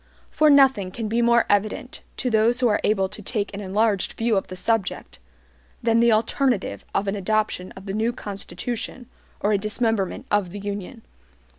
For nothing can be more evident, to those who are able to take an enlarged view of the subject, than the alternative of an adoption of the new Constitution or a dismemberment of the Union.